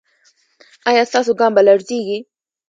ایا ستاسو ګام به لړزیږي؟